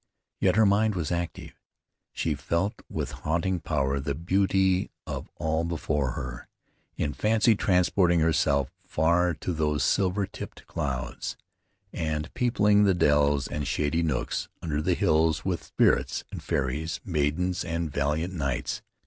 Yet her mind was active. She felt with haunting power the beauty of all before her; in fancy transporting herself far to those silver tipped clouds, and peopling the dells and shady nooks under the hills with spirits and fairies, maidens and valiant knights.